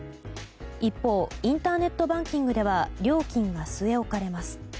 一方インターネットバンキングでは料金が据え置かれます。